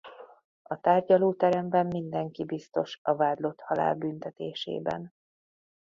A tárgyalóteremben mindenki biztos a vádlott halálbüntetésében.